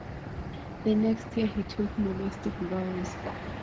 The next year he took monastic vows.